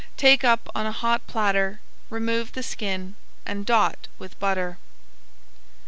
Take up on a hot platter, remove the skin, and dot with butter.